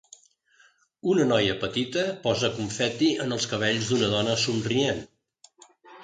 Una noia petita posa confeti en els cabells d'una dona somrient.